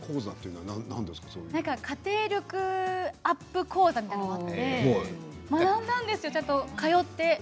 家庭力アップ講座みたいなものがあっても学んだんです。